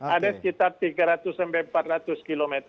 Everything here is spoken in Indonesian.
ada sekitar tiga ratus sampai empat ratus km